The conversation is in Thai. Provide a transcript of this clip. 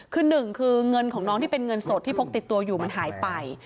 คือหนึ่งคือเงินของน้องที่เป็นเงินสดที่พกติดตัวอยู่มันหายไป